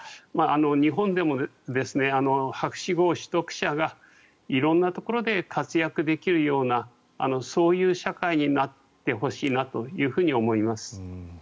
日本でも博士号取得者が色んなところで活躍できるようなそういう社会になってほしいなと思います。